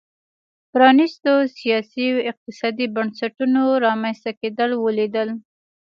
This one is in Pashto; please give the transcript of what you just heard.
پرانیستو سیاسي او اقتصادي بنسټونو رامنځته کېدل ولیدل.